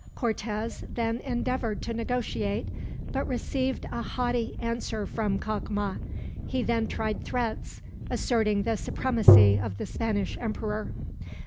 Cortez then endeavored to negotiate, but received a haughty answer from Cacama. He then tried threats, asserting the supremacy of the Spanish emperor.